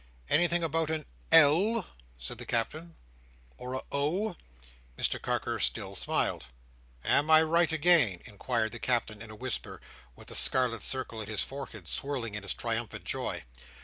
"Anything about a L," said the Captain, "or a O?" Mr Carker still smiled. "Am I right, again?" inquired the Captain in a whisper, with the scarlet circle on his forehead swelling in his triumphant joy.